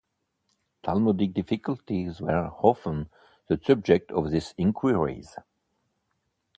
Talmudic difficulties were often the subject of these inquiries.